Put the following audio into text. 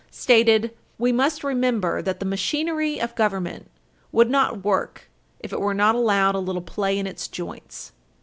501, stated, "We must remember that the machinery of government would not work if it were not allowed a little play in its joints."